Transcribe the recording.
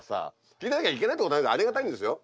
聞いてなきゃいけないってことはないありがたいんですよ。